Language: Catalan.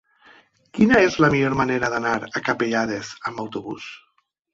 Quina és la millor manera d'anar a Capellades amb autobús?